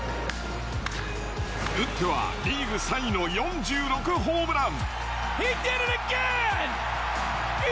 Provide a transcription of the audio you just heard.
打ってはリーグ３位の４６ホームラン。